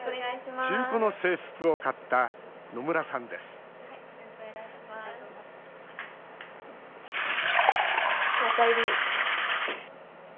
中古の制服を買った野村さんですおかえり。